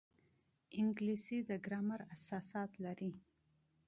انګلیسي د ګرامر اساسات لري